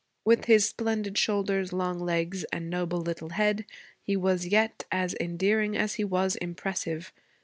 With his splendid shoulders, long legs, and noble little head, he was yet as endearing as he was impressive.